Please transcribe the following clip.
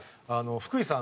「福井さん。